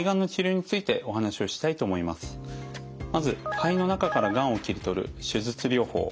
まず肺の中からがんを切り取る手術療法。